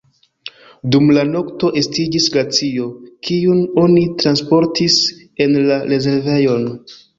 Dum la nokto estiĝis glacio, kiun oni transportis en la rezervejon.